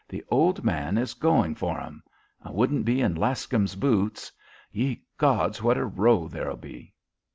The old man is going for 'em. I wouldn't be in Lascum's boots. Ye gods, what a row there'll be."